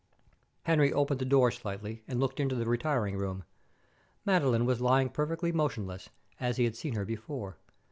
Henry opened the door slightly, and looked into the retiring room. Madeline was lying perfectly motionless, as he had seen her before.